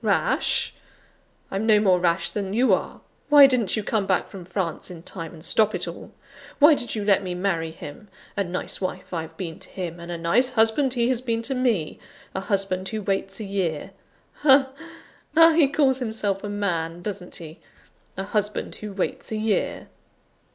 Rash? I'm no more rash than you are! Why didn't you come back from France in time, and stop it all? Why did you let me marry him? A nice wife I've been to him, and a nice husband he has been to me a husband who waits a year! Ha! ha! he calls himself a man, doesn't he? A husband who waits a year!"